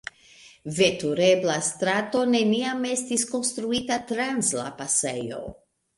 Veturebla strato neniam estis konstruita trans la pasejo.